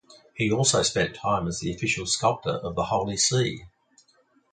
He also spent time as the official sculptor of the Holy See.